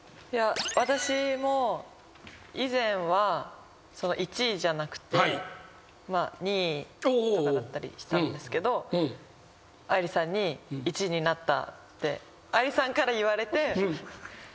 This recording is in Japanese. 私も以前は１位じゃなくて２位とかだったりしたんですけど藍梨さんに１位になったって藍梨さんから言われて。